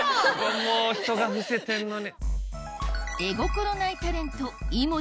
もうひとが伏せてんのに。